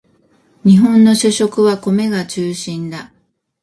日本の主食は米が中心だ